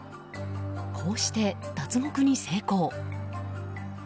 こうして脱獄に成功。